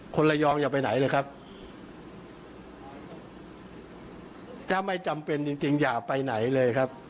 คนระยองอย่าไปไหนเลยครับถ้าไม่จำเป็นจริงจริงอย่าไปไหนเลยครับ